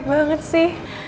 kamu baik banget sih